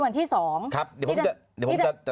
เดี๋ยวผมจะ